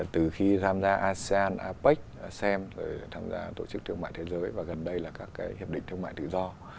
từ khi tham gia asean apec asem rồi tham gia tổ chức thương mại thế giới và gần đây là các cái hiệp định thương mại tự do